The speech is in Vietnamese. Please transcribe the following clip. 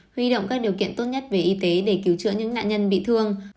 huy động các điều kiện tốt nhất về y tế để cứu chữa những nạn nhân bị thương